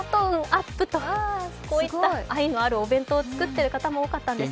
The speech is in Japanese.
ＵＰとこういった愛のあるお弁当を作っている方も多かったんです。